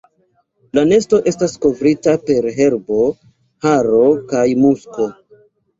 La nesto estas kovrita per herbo, haro kaj musko.